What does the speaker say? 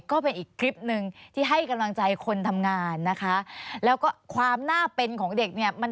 ก็เป็นอีกคลิปหนึ่งที่ให้กำลังใจคนทำงานนะคะแล้วก็ความน่าเป็นของเด็กเนี่ย